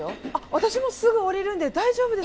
私もすぐ降りるので大丈夫です。